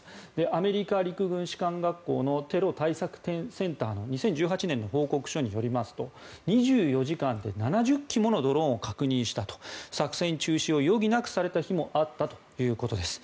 アメリカ陸軍士官学校のテロ対策センターの２０１８年の報告書によりますと２４時間で７０機ものドローンを確認したと作戦中止を余儀なくされた日もあったということです。